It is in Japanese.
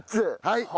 はい！